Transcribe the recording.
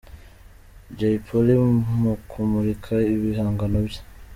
Jay Polly mu kumurika ibihangano bye.